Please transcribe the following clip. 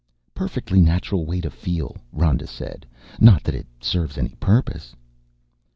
"Perfectly natural way to feel," Rhoda said, "not that it serves any purpose."